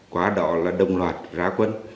quá đỏ là đồng loạt rá quân